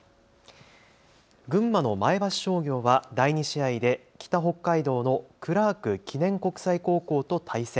群馬の前橋商業は第２試合で北北海道のクラーク記念国際高校と対戦。